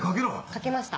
かけました。